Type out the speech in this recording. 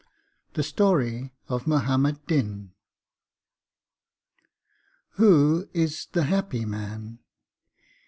THE STORY OF MUHAMMAD DIN Who is the happy man?